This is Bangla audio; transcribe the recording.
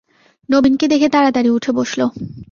নবীনকে দেখে তাড়াতাড়ি উঠে বসল।